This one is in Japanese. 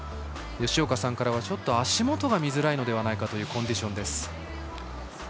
吉岡さんからは足元が見づらいのではないかというコンディションです。